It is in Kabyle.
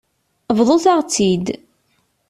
Bḍut-aɣ-tt-id.